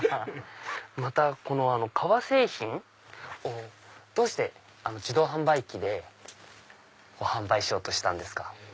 またこの革製品をどうして自動販売機で販売しようとしたんですか？